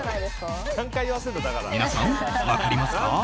皆さん、分かりますか？